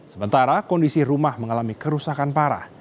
sementara kondisi rumah mengalami kerusakan parah